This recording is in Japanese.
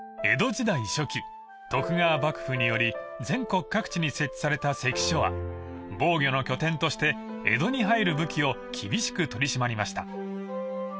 ［江戸時代初期徳川幕府により全国各地に設置された関所は防御の拠点として江戸に入る武器を厳しく取り締まりました］